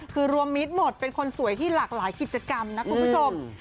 คือรวมมิตรหมดเป็นคนสวยที่หลากหลายกิจกรรมนะคุณผู้ชม